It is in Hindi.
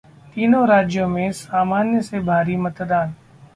तीनों राज्यों में सामान्य से भारी मतदान